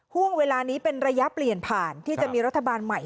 ห่วงเวลานี้เป็นระยะเปลี่ยนผ่านที่จะมีรัฐบาลใหม่